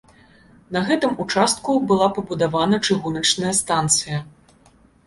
На гэтым участку была пабудавана чыгуначная станцыя.